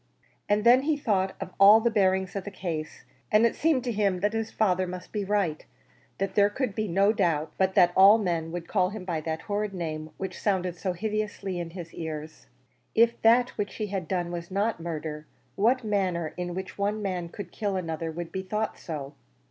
And then he thought of all the bearings of the case, and it seemed to him that his father must be right; that there could be no doubt but that all men would call it by that horrid name which sounded so hideously in his ears. If that which he had done was not murder, what manner in which one man could kill another would be thought so?